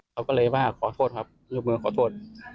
เขาก็เลยว่าขอโทษครับลูกมือขอโทษ